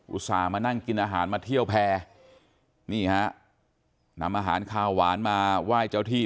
ต่ามานั่งกินอาหารมาเที่ยวแพร่นี่ฮะนำอาหารขาวหวานมาไหว้เจ้าที่